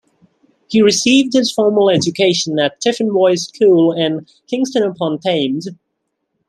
He received his formal education at Tiffin Boys School in Kingston upon Thames.